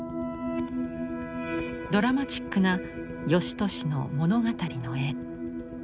ドラマチックな芳年の物語の絵。